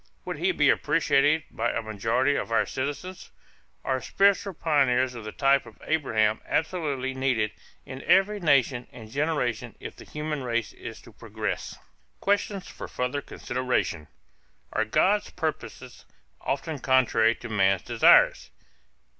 Would he be appreciated by a majority of our citizens? Are spiritual pioneers of the type of Abraham absolutely needed in every nation and generation if the human race is to progress? Questions for Further Consideration. Are God's purposes often contrary to man's desires?